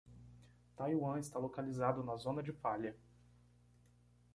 Taiwan está localizado na zona de falha